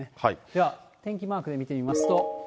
では天気マークで見てみますと。